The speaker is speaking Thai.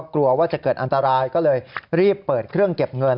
กลัวว่าจะเกิดอันตรายก็เลยรีบเปิดเครื่องเก็บเงิน